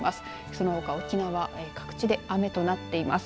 そのほか沖縄各地で雨となっています。